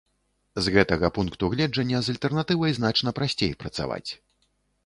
З гэтага пункту гледжання з альтэрнатывай значна прасцей працаваць.